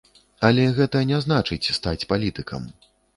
Але гэта не значыць стаць палітыкам.